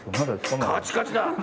カチカチだ。